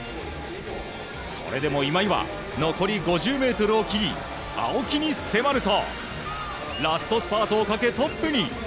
それでも今井は残り５０ｍを切り青木に迫るとラストスパートをかけトップに！